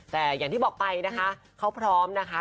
แต่อย่างที่บอกไปนะคะเขาพร้อมนะคะ